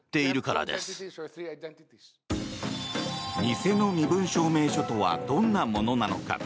偽の身分証明書とはどんなものなのか。